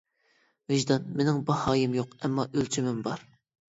ۋىجدان: مېنىڭ باھايىم يوق، ئەمما ئۆلچىمىم بار.